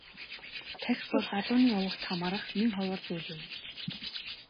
Тахь бол Адууны овогт хамаарах нэн ховор зүйл юм.